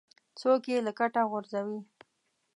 څوک یې له کټه غورځوي.